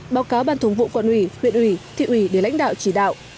báo cáo ban thống vụ quận ủy huyện ủy thị ủy để lãnh đạo chỉ đạo